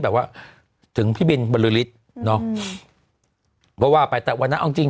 แบบว่าถึงพี่บินบริษฐ์เนอะก็ว่าไปแต่วันนั้นเอาจริง